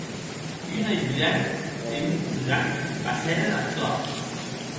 Un ajudant e un cosac passèren ath tròt.